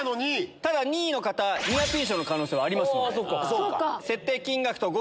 ただ２位の方ニアピン賞の可能性はあります。